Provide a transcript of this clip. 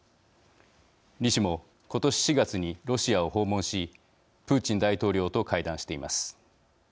李氏も今年４月にロシアを訪問しプーチン大統領と会談しています。